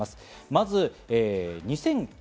まず２００９年。